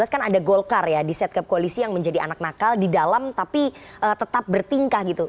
kan ada golkar ya di setcap koalisi yang menjadi anak nakal di dalam tapi tetap bertingkah gitu